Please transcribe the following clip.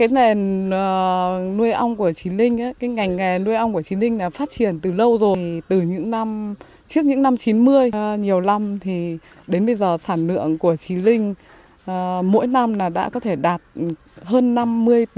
năm năm đã có thể đạt hơn năm mươi tấn đến hơn bảy mươi tấn một năm